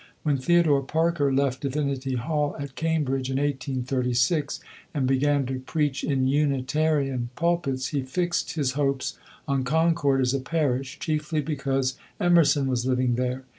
When Theodore Parker left Divinity Hall, at Cambridge, in 1836, and began to preach in Unitarian pulpits, he fixed his hopes on Concord as a parish, chiefly because Emerson was living there.